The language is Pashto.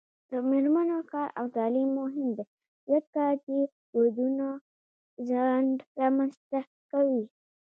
د میرمنو کار او تعلیم مهم دی ځکه چې ودونو ځنډ رامنځته کوي.